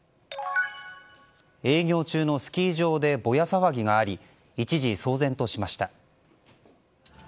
営業中のスキー場でボヤ騒ぎがあり一時騒然としました。